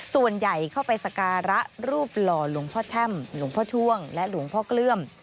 ส่วนใหญ่เข้าไปสการะรูปหล่อหลวงพ่อแช่มหลวงพ่อช่วงและหลวงพ่อเกลื้ม